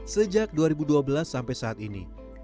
sejak dua ribu dua belas sampai saat ini